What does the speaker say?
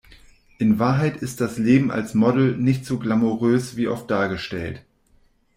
In Wahrheit ist das Leben als Model nicht so glamourös wie oft dargestellt.